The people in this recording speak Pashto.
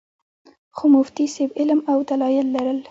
خو مفتي صېب علم او دلائل لرل